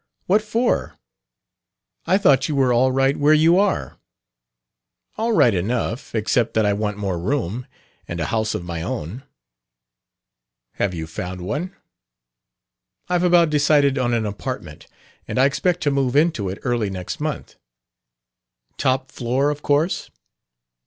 What for? I thought you were all right where you are. "All right enough; except that I want more room and a house of my own." "Have you found one?" "I've about decided on an apartment. And I expect to move into it early next month." "Top floor, of course?"